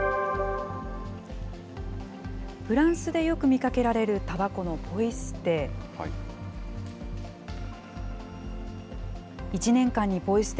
フランスでよく見かけられるたばこのポイ捨て。